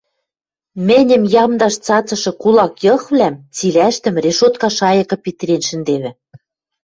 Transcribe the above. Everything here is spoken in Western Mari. мӹньӹм ямдаш цацышы кулак йыхвлӓм цилӓштӹм решотка шайыкы питӹрен шӹндевӹ.